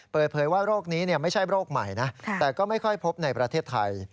เปิดเผยว่าโรคนี้ไม่ใช่โรคใหม่นะแต่ก็ไม่ค่อยพบในประเทศไทย